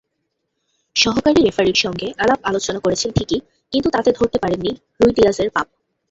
সহকারী রেফারির সঙ্গে আলাপ-আলোচনা করেছেন ঠিকই, কিন্তু তাতে ধরতে পারেননি রুইদিয়াজের পাপ।